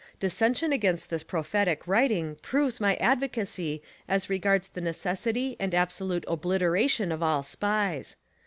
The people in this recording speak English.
Dissension against this prophetic writing proves my advocacy as regards the necessity and absolute obliteration of all Spies.